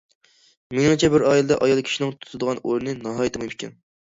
مېنىڭچە، بىر ئائىلىدە ئايال كىشىنىڭ تۇتىدىغان ئورنى ناھايىتى مۇھىم ئىكەن.